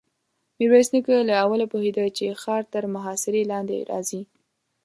ميرويس نيکه له اوله پوهېده چې ښار تر محاصرې لاندې راځي.